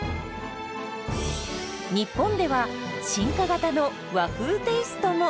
日本では進化型の和風テイストも！